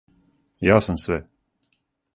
Ја сам све.